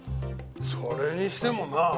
それにしてもなあ？